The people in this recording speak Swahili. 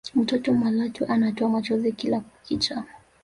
mtoto malatwe anatoa machozi kila kukicha